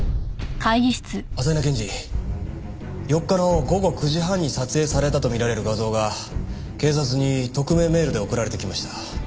朝日奈検事４日の午後９時半に撮影されたとみられる画像が警察に匿名メールで送られてきました。